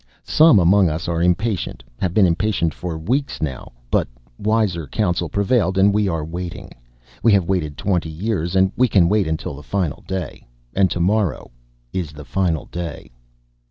Some among us are impatient, have been impatient for weeks now, but wiser counsel prevailed and we are waiting. We have waited twenty years and we can wait until the final day. And tomorrow is the final day.